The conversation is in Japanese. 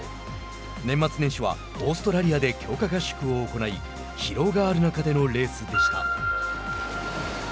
年末年始はオーストラリアで強化合宿を行い疲労がある中でのレースでした。